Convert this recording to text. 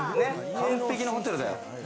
完璧なホテルだよ。